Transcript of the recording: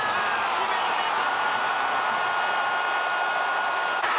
決められた！